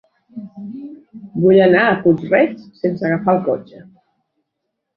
Vull anar a Puig-reig sense agafar el cotxe.